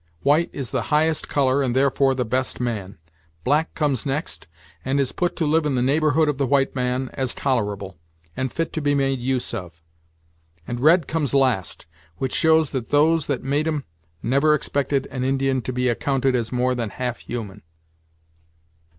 White is the highest color, and therefore the best man; black comes next, and is put to live in the neighborhood of the white man, as tolerable, and fit to be made use of; and red comes last, which shows that those that made 'em never expected an Indian to be accounted as more than half human."